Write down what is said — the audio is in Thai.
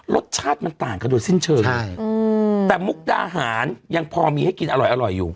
รสชาติมันต่างกันโดยสิ้นเชิงใช่อืมแต่มุกดาหารยังพอมีให้กินอร่อยอร่อยอยู่